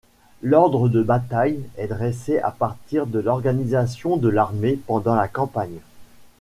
L'ordre de bataille est dressé à partir de l'organisation de l'armée pendant la campagne.